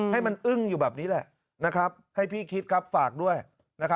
ให้มันอึ้งอยู่แบบนี้แหละนะครับให้พี่คิดครับฝากด้วยนะครับ